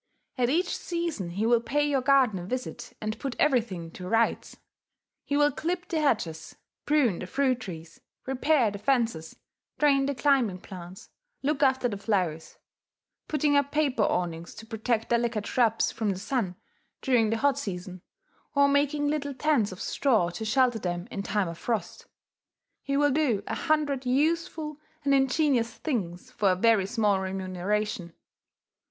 At each season he will pay your garden a visit, and put everything to rights he will clip the hedges, prune the fruit trees, repair the fences, train the climbing plants, look after the flowers, putting up paper awnings to protect delicate shrubs from the sun during the hot season, or making little tents of straw to shelter them in time of frost; he will do a hundred useful and ingenious things for a very small remuneration.